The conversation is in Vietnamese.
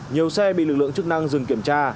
nhiều xe bị lực lượng chức năng dừng kiểm tra